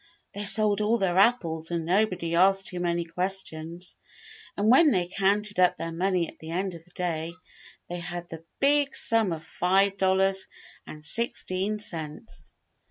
They sold all their apples and nobody asked too many questions; and when they counted up their money at the end of the day they had the big sum of ^ve dollars and sixteen cents.